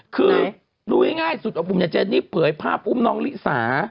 คือดูง่ายสุดอบอุ่นเนี่ยเจนนี่เผยภาพอุ้มน้องลิสา